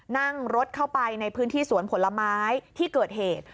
นั่งรถเข้าไปในพื้นที่สวนผลไม้ที่เกิดเหตุ